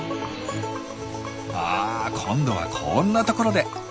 あ今度はこんなところで。